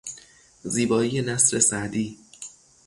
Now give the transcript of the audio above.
زیبایی نثر سعدی